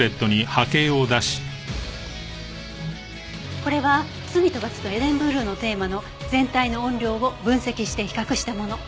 これは『罪と罰』と『エデンブルーのテーマ』の全体の音量を分析して比較したもの。